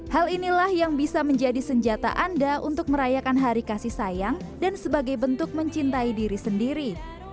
hal inilah yang bisa menjadi senjata anda untuk merayakan hari kasih sayang dan sebagai bentuk mencintai diri sendiri